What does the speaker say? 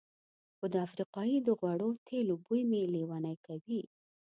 خو د افریقایي د غوړو تېلو بوی مې لېونی کوي.